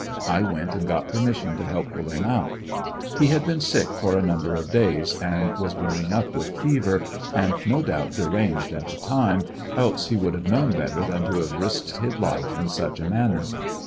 I went and got permission to help pull him out. He had been sick for a number of days and was burning up with fever, and no doubt deranged at the time, else he would have known better than to have risked his life in such a manner.